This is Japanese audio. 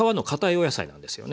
お野菜なんですよね。